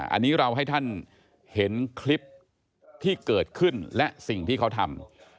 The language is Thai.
อันนี้เราให้ท่านเห็นคลิปที่เกิดขึ้นและสิ่งที่เขาทำ